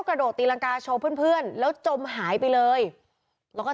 กระโดดตีรังกาโชว์เพื่อนเพื่อนแล้วจมหายไปเลยแล้วก็